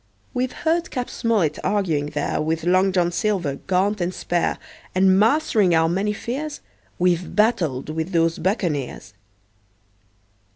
We've heard Cap. Smollett arguing there With Long John Silver, gaunt and spare, And mastering our many fears We've battled with those buccaneers.